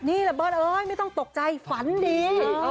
นี่แหละเบิ้ลเอ้ยไม่ต้องตกใจฝันดี